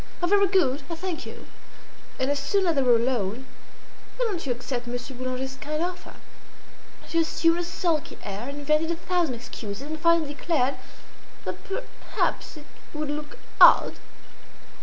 "Ah! very good! I thank you." And as soon as they were alone, "Why don't you accept Monsieur Boulanger's kind offer?" She assumed a sulky air, invented a thousand excuses, and finally declared that perhaps it would look odd.